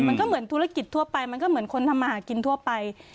มันก็เหมือนธุรกิจทั่วไปมันก็เหมือนคนทำมาหากินทั่วไป